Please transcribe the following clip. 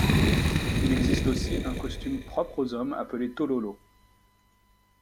Il existe aussi un costume propre aux hommes appelé Tololo.